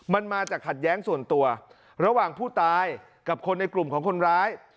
มันมาจากขัดแย้งส่วนตัวระหว่างผู้ตายกับคนในกลุ่มของคนร้าย